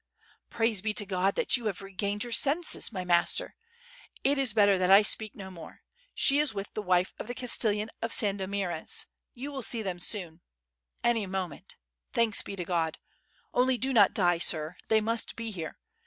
"Praise be to God that you have regained your senses .... my master. It is better that I speak no more. She is with the wife of the Castellan of Sandomierz, you will see them soon .... any moment Thanks be to God! .... only do not die, sir; they must be here.